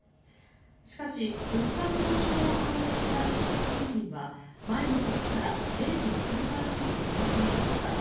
しかし物価の上昇を反映した実質賃金は前の年から０．９％減少しました。